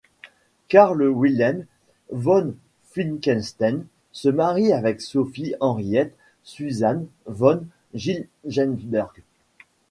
Karl Wilhelm von Finckenstein se marie avec Sophie Henriette Susanne von Gilgenburg.